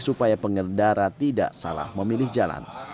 supaya pengendara tidak salah memilih jalan